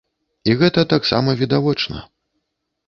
І гэта таксама відавочна.